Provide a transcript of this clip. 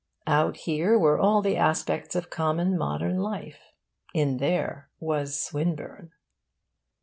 Out here were all the aspects of common modern life. In there was Swinburne.